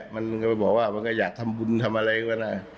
มันก็ไปบอกว่ามันก็อยากทำบุญทำอะไรก็ได้